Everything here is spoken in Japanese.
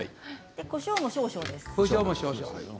こしょうも少々です。